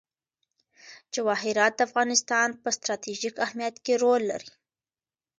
جواهرات د افغانستان په ستراتیژیک اهمیت کې رول لري.